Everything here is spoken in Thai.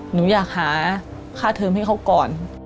หนูอยากหาค่าเทิมให้เขาก่อน